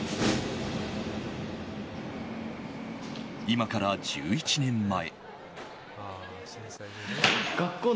今から１１年前。